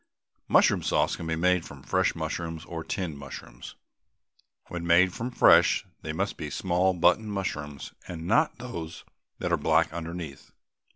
Mushroom sauce can be made from fresh mushrooms or tinned mushrooms. When made from fresh they must be small button mushrooms, and not those that are black underneath.